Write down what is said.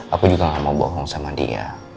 aku juga gak mau bohong sama dia